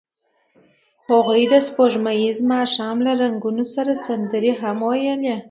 هغوی د سپوږمیز ماښام له رنګونو سره سندرې هم ویلې.